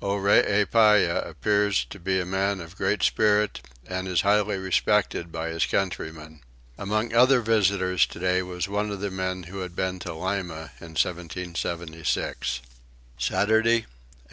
Oreepyah appears to be a man of great spirit, and is highly respected by his countrymen. Among other visitors today was one of the men who had been to Lima in 1776. Saturday 8.